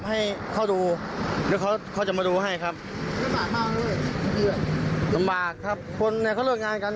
ให้เขาดูเดี๋ยวเขาเขาจะมาดูให้ครับสบากครับคนเนี้ยเขาเลือกงานกัน